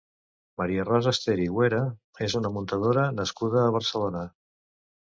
Maria Rosa Ester i Güera és una muntadora nascuda a Barcelona.